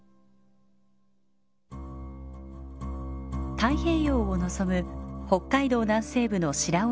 太平洋を望む北海道南西部の白老町。